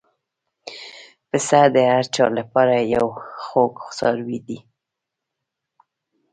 پسه د هر چا له پاره یو خوږ څاروی دی.